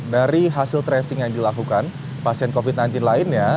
dari hasil tracing yang dilakukan pasien covid sembilan belas lainnya